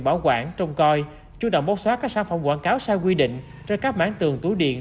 bảo quản trông coi chú động bóc xóa các sản phẩm quảng cáo sai quy định trên các mảng tường tủ điện